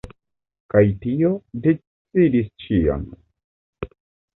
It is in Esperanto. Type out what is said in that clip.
Kaj tio decidis ĉion.